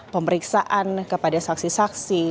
pemeriksaan kepada saksi saksi